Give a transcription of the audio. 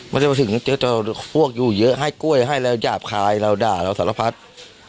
ไม่ได้มาถึงน่าจะพวกอยู่เหยือให้กล้วยให้แล้วหยาบคายแล้วด่าแล้วสารพัฒน์